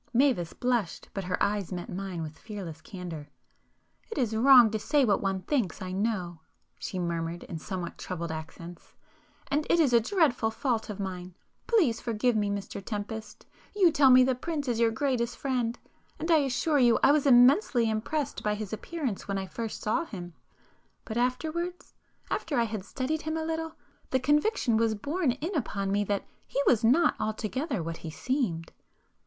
Mavis blushed, but her eyes met mine with fearless candour. [p 322]"It is wrong to say what one thinks, I know,—" she murmured in somewhat troubled accents—"And it is a dreadful fault of mine. Please forgive me Mr Tempest! You tell me the prince is your greatest friend,—and I assure you I was immensely impressed by his appearance when I first saw him, ... but afterwards, ... after I had studied him a little, the conviction was borne in upon me that he was not altogether what he seemed."